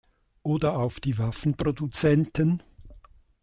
Oder auf die Waffenproduzenten?